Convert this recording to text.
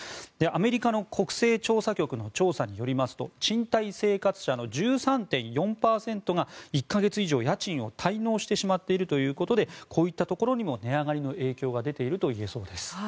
アメリカの国勢調査局の調査によりますと賃貸生活者の１３．４％が１か月以上家賃を滞納してしまっているということでこういったところにも値上がりの影響が出ているといえそうです。